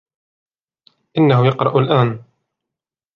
إنه يقرأ الآن.